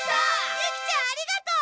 ユキちゃんありがとう！